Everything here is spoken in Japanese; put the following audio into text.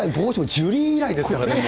ジュリー以来ですからね。